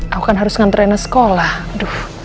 aku kan harus ngantreinnya sekolah